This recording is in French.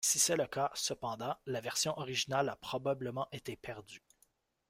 Si c'est le cas, cependant, la version originale a probablement été perdue.